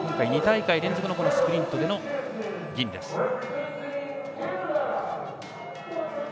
２大会連続のスプリントでの銀です。